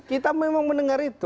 kita memang mendengar itu